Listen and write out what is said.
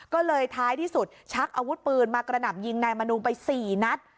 ก็เลยท้ายที่สุดชักอาวุธปืนมากระหน่ำยิงนายมนูไป๔นัด